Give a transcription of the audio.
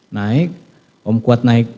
naik om kuat naik